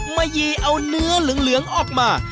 ยีเอาเนื้อเหลืองออกมา